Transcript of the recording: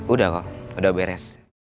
udah kok udah beres